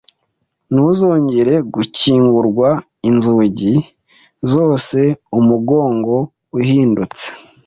ntuzongere gukingurwa inzugi zose, umugongo uhindutse